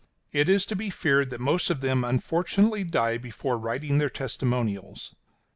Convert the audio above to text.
It is to be feared that most of them unfortunately die before writing their testimonials.